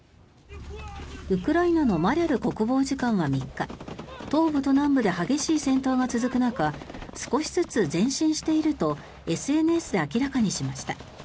ウクライナのマリャル国防次官は３日東部と南部で激しい戦闘が続く中少しずつ前進しているとＳＮＳで明らかにしました。